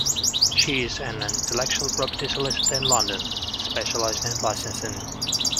She is an intellectual property solicitor in London, specialising in licensing.